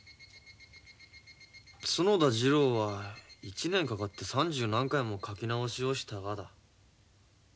角田次郎は１年かかって三十何回も描き直しをしたがだ。